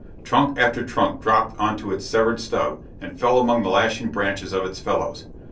Trunk after trunk dropped onto its severed stub and fell among the lashing branches of its fellows.